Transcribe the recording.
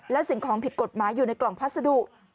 และสิ่งของผิดกฎหมายอยู่ในกล่องพัสดุ